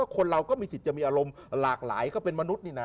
คนเราก็มีสิทธิ์จะมีอารมณ์หลากหลายก็เป็นมนุษย์นี่นะ